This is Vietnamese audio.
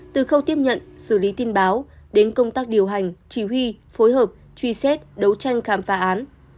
từ khâu tiếp nhận xử lý tin báo đến công tác điều hành chỉ huy phối hợp truy xét đấu tranh khám phá án